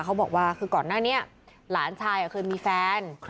เขาบอกว่าคือก่อนหน้านี้หลานชายเคยมีแฟน